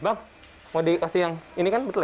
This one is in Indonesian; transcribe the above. bang mau dikasih yang ini kan betul ya